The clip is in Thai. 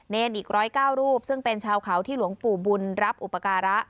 อีก๑๐๙รูปซึ่งเป็นชาวเขาที่หลวงปู่บุญรับอุปการะ